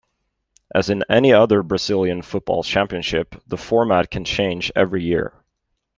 As in any other Brazilian football championship, the format can change every year.